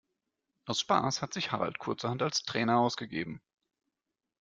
Aus Spaß hat sich Harald kurzerhand als Trainer ausgegeben.